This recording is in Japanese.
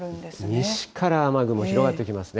西から雨雲、広がってきますね。